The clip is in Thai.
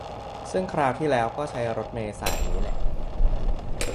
ซึ่งคราวที่แล้วก็ใช้รถเมล์สายนี้แหละ